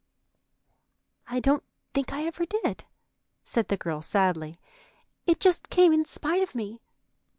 "I don't think I ever did," said the girl sadly. "It just came in spite of me."